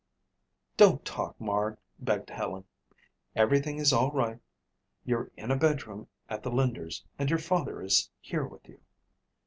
"Don't talk, Marg," begged Helen. "Everything is all right. You're in a bedroom at the Linders and your father is here with you."